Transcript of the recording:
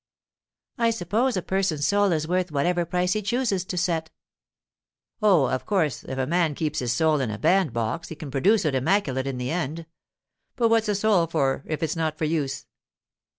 'I suppose a person's soul is worth whatever price he chooses to set.' 'Oh, of course, if a man keeps his soul in a bandbox he can produce it immaculate in the end; but what's a soul for if it's not for use?